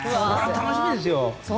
楽しみですよ。